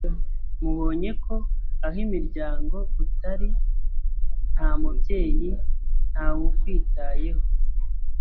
mubonyeko aho imiryango utari, nta mubyeyi, ntawukwitayeho